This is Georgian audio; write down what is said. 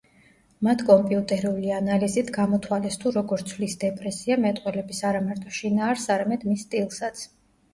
მათ კომპიუტერული ანალიზით გამოთვალეს, თუ როგორ ცვლის დეპრესია მეტყველების არამარტო შინაარსს, არამედ მის სტილსაც.